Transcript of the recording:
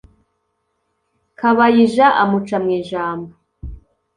kabayija amuca mu ijambo